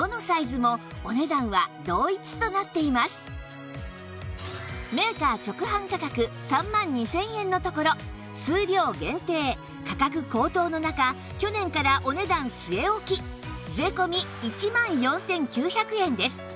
またメーカー直販価格３万２０００円のところ数量限定価格高騰の中去年からお値段据え置き税込１万４９００円です